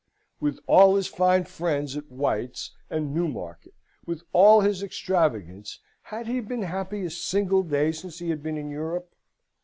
With all his fine friends at White's and Newmarket, with all his extravagance, had he been happy a single day since he had been in Europe?